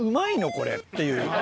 これっていう。